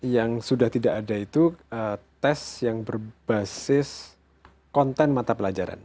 yang sudah tidak ada itu tes yang berbasis konten mata pelajaran